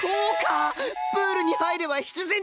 プールに入れば必然的に水着だ！